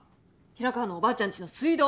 平川のおばあちゃんちの水道